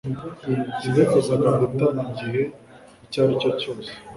Sinifuzaga guta igihe icyo ari cyo cyose